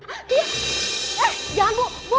eh jangan bu